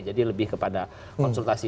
jadi lebih kepada konsultasi